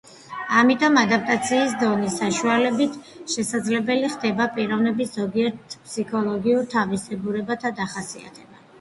ამიტომ ადაპტაციის დონის საშუალებით შესაძლებელი ხდება პიროვნების ზოგიერთ ფსიქოლოგიურ თავისებურებათა დახასიათება.